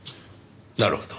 なるほど。